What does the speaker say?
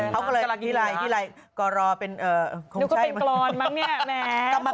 เขาก็เลยพี่ลายพี่ลายกรรเป็นเอ่อคงใช่มั้ยแม่คุณนึกว่าเป็นกรรมั้งเนี่ย